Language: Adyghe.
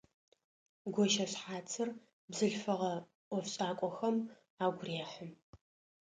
Гощэшъхьацыр бзылъфыгъэ ӏофшӏакӏохэм агу рехьы.